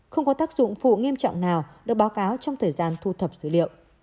không có tác dụng phụ nghiêm trọng nào được báo cáo trong thời gian thu thập dữ liệu